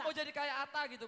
mau jadi kayak atta gitu